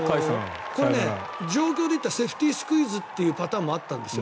状況でいえばセーフティースクイズというパターンもあったんですよ。